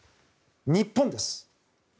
日本です。